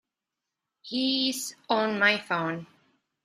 He's on my phone.